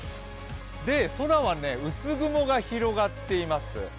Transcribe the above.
空は薄雲が広がっています。